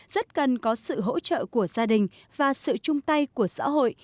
rất cần có sự hỗ trợ của gia đình và sự chung tay của xã hội